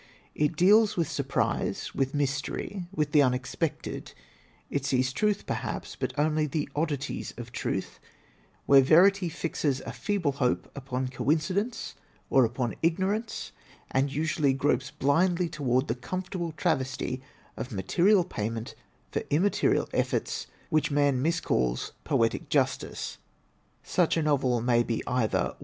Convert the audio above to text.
It deals with sur prise, with mystery, with the unexpected. It sees truth perhaps, but only the oddities of truth, where verity fixes a feeble hope upon coincidence, or upon ignorance, and usually gropes blindly toward that comfortable travesty of material payment for immaterial efforts which man miscalls * poetic justice/ Such a novel may be either: "i.